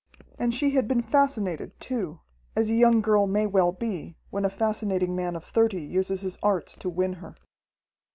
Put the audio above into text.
And she had been fascinated too, as a young girl may well be, when a fascinating man of thirty uses his arts to win her.